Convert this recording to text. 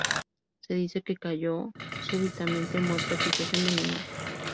Se dice que cayó súbitamente muerto, quizás envenenado.